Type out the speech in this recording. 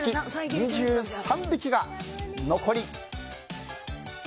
２３匹が残り。